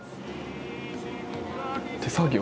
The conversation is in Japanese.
手作業。